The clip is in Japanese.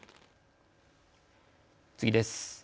次です。